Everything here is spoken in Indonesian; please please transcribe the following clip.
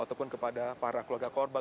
ataupun kepada para keluarga korban